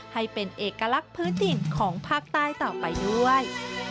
ให้เป็นเอกลักษณ์พื้นถิ่นของภาคใต้ต่อไปด้วย